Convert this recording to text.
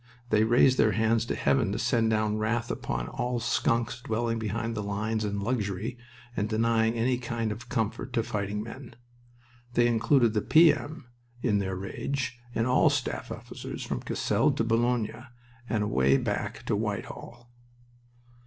They raised their hands to heaven to send down wrath upon all skunks dwelling behind the lines in luxury and denying any kind of comfort to fighting men. They included the P.M. in their rage, and all staff officers from Cassel to Boulogne, and away back to Whitehall.